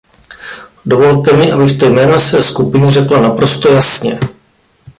Dovolte mi, abych to jménem své skupiny řekla naprosto jasně.